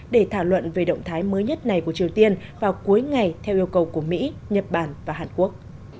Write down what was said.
để thảo luận về động thái mới nhất này của triều tiên vào cuối ngày theo yêu cầu của mỹ nhật bản và hàn quốc